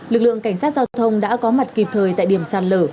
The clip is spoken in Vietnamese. lực lượng cảnh sát giao thông đã có mặt kịp thời tại điểm sạt lở